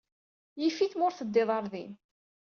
Yif-it ma ur teddiḍ ɣer din.